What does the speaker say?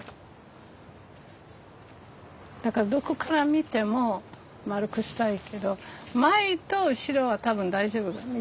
だからどこから見ても丸くしたいけど前と後ろは多分大丈夫だ。